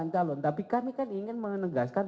enam calon tapi kami kan ingin menegaskan